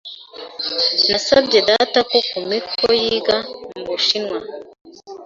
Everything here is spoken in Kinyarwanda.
Nasabye data ko Kumiko yiga mu Bushinwa.